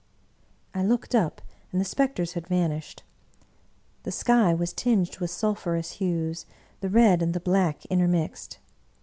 I looked up, and the specters had vanished. The sky was tinged with sulphurous hues; the red and the black intermixed.